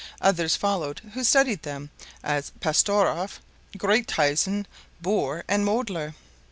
Others followed who studied them, as Pastorff, Gruithuysen, Boeer, and Moedler.